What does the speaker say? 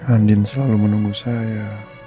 andin selalu menunggu saya